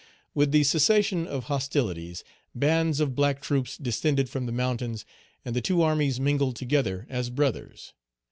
With the cessation of hostilities, bands of black troops descended from the mountains, and the two armies mingled together as brothers.